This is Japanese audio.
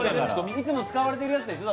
いつも使われてるやつでしょ。